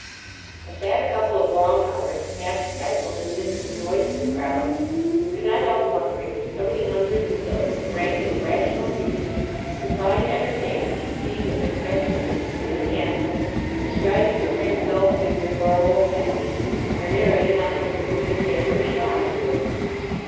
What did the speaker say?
I sat a couple of long hours, half stifled, in the midst of a noisome crowd; and could not help wondering that so many hundreds of those that rank as rational creatures, could find entertainment in seeing a succession of insipid animals, describing the same dull figure for a whole evening, on an area, not much bigger than a taylor's shop board.